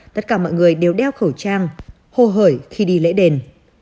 tất cả mọi người đều đeo khẩu trang hồ hởi khi đi lễ đền